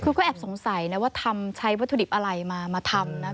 คือก็แอบสงสัยนะว่าทำใช้วัตถุดิบอะไรมาทำนะคะ